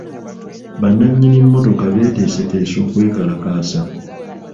Bannannyini mmotoka bateeseteese okwekalakaasa.